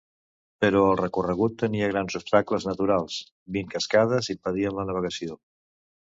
Però el recorregut tenia grans obstacles naturals: vint cascades impedien la navegació.